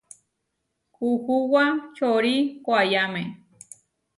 Kuhuwá čorí koayáme.